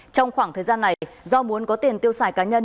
trong khoảng thời gian này do muốn có tiền tiêu xài cá nhân